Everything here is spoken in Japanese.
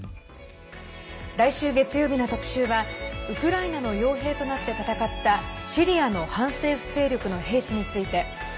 来週月曜日の特集はウクライナのよう兵となって戦ったシリアの反政府勢力の兵士について。